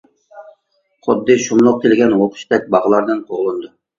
خۇددى شۇملۇق تىلىگەن ھۇۋقۇشتەك باغلاردىن قوغلىنىدۇ.